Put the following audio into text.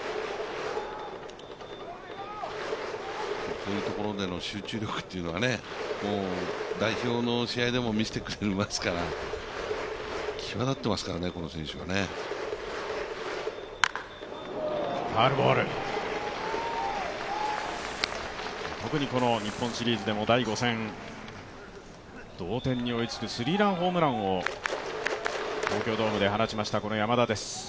こういうところでの集中力は、代表の試合でも見せてくれますから、際立っていますからね、この選手は特にこの日本シリーズでも第５戦、同点に追いつくスリーランホームランを東京ドームで放ちました、山田です。